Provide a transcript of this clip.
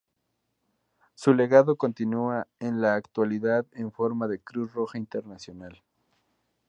Su legado continúa en la actualidad en forma de Cruz Roja Internacional.